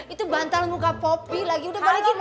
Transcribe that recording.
itu bantal muka popi lagi udah balikin